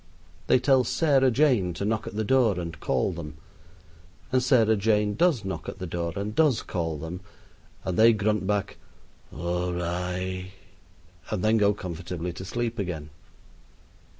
They tell Sarah Jane to knock at the door and call them, and Sarah Jane does knock at the door and does call them, and they grunt back "awri" and then go comfortably to sleep again.